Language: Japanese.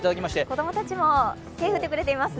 子供たちも手を振ってくれていますね。